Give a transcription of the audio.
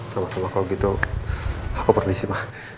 sama sama kalau gitu aku permisi mah